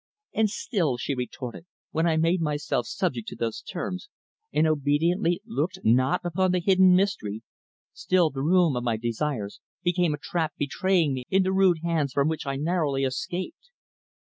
"And still," she retorted, "when I made myself subject to those terms, and obediently looked not upon the hidden mystery still the room of my desires became a trap betraying me into rude hands from which I narrowly escaped.